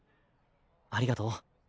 ありがとう。